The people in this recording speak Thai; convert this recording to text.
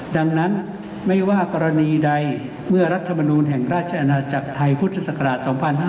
ดังนั้นไม่ว่ากรณีใดเมื่อรัฐมนูลแห่งราชอาณาจักรไทยพุทธศักราช๒๕๕๙